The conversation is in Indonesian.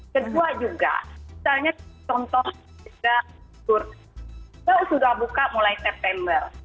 kedua juga misalnya contoh kita sudah buka mulai september